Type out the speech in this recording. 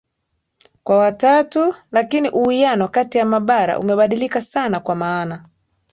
kwa watatu lakini uwiano kati ya mabara umebadilika sana kwa maana